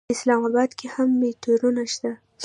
اسلام اباد کې هم میټرو شته.